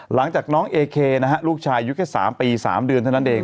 หลังจากน้องเอเคนะฮะลูกชายอายุแค่๓ปี๓เดือนเท่านั้นเอง